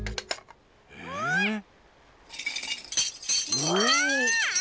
うわ！